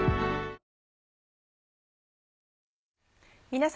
皆様。